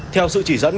theo sự chỉ dẫn